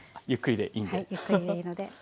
ゆっくりでいいんで。